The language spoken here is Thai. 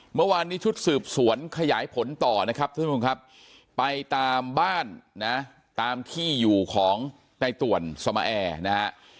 เมื่อวานนี้ชุดสืบสวนขยายผลต่อนะครับท่านผู้ชมครับไปตามบ้านนะตามที่อยู่ของในต่วนสมาแอร์นะฮะ